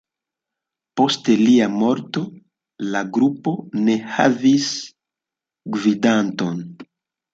Post lia morto, la grupo ne havis gvidanton.